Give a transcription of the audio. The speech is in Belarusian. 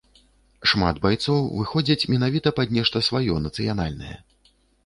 Шмат байцоў выходзяць менавіта пад нешта сваё нацыянальнае.